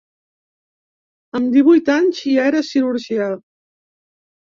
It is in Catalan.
Amb divuit anys ja era cirurgià.